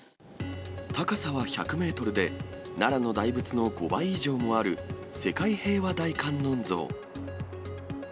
高さは１００メートルで、奈良の大仏の５倍以上もある、世界平和大観音像。